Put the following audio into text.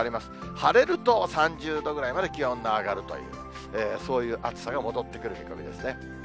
晴れると３０度ぐらいまで気温が上がるという、そういう暑さが戻ってくる見込みですね。